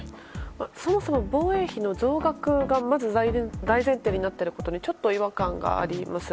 そもそも防衛費の増額がまず大前提になっていることにちょっと違和感があります。